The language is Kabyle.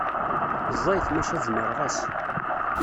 Ẓẓayet maca zemreɣ-as.